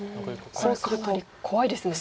これかなり怖いですね。